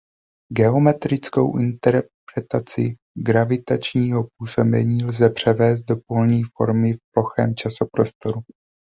Geometrickou interpretaci gravitačního působení lze převést do polní formy v plochém časoprostoru.